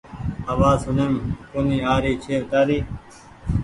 آواز سوڻيم ڪونيٚ آ رهي ڇي تآري